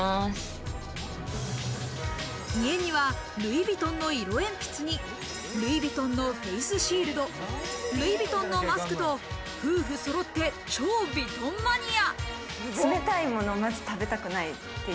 家にはルイ・ヴィトンの色鉛筆に、ルイ・ヴィトンのフェースシールド、ルイ・ヴィトンのマスクと夫婦そろって超ヴィトンマニア。